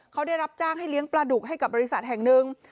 เขาได้รับจ้างให้เลี้ยงปลาดุกให้กับบริษัทแห่งหนึ่ง